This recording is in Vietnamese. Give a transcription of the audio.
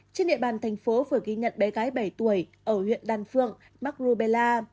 trên địa bàn thành phố vừa ghi nhận bé gái bảy tuổi ở huyện đan phượng mắc rubella